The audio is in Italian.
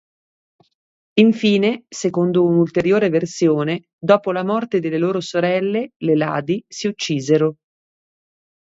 Infine, secondo un'ulteriore versione, dopo la morte delle loro sorelle, le Iadi, si uccisero.